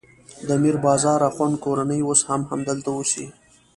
د میر بازار اخوند کورنۍ اوس هم همدلته اوسي.